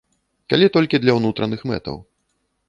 Калі толькі для ўнутраных мэтаў.